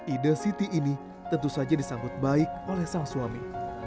ide siti ini tentu saja disambut baik oleh sang suami